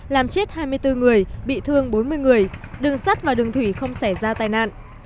làm chết hai mươi bốn người bị thương bốn mươi người đường sắt và đường thủy không xảy ra tai nạn